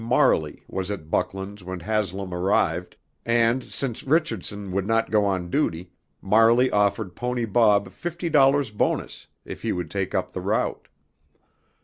Marley was at Bucklands when Haslam arrived, and, since Richardson would not go on duty, Marley offered "Pony Bob" fifty dollars bonus if he would take up the route.